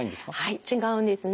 はい違うんですね。